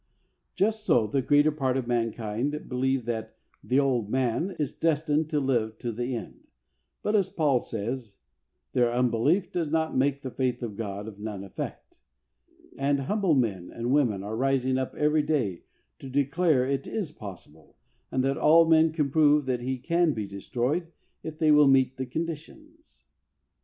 Just so, the greater part of mankind believe that "the old man" is destined to live to the end, but as Paul says, "Their unbelief does not make the faith of God of none effect," and humble men and women are rising up every day to declare it is possible, and that all men can prove that he can be destroyed, if they will meet the conditions.